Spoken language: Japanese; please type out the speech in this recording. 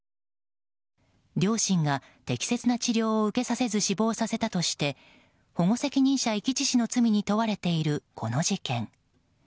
両親が適切な治療を受けさせず死亡させたとして保護責任者遺棄致死の罪に問われている、この事件。